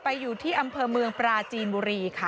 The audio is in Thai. อยู่ที่อำเภอเมืองปราจีนบุรีค่ะ